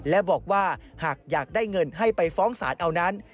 และบอกว่าหากอยากได้เงินให้ไปฟ้องศาลเอานั้น